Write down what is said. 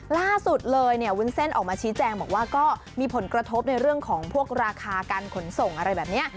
ล่าสุดเลยเนี่ยวุ้นเส้นออกมาชี้แจงบอกว่าก็มีผลกระทบในเรื่องของพวกราคาการขนส่งอะไรแบบนี้